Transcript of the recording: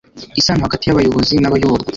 isano hagati y'abayobozi n'abayoborwa